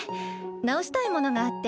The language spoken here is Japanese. なおしたいものがあって。